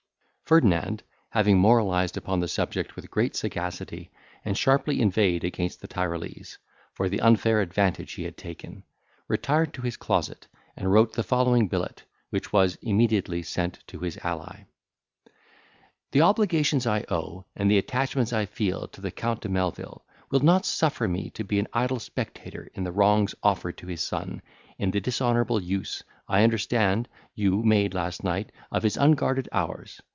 Ferdinand, having moralised upon the subject with great sagacity, and sharply inveighed against the Tyrolese, for the unfair advantage he had taken, retired to his closet, and wrote the following billet, which was immediately sent to his ally:— "The obligations I owe, and the attachments I feel, to the Count de Melvil, will not suffer me to be an idle spectator of the wrongs offered to his son, in the dishonourable use, I understand, you made last night of his unguarded hours.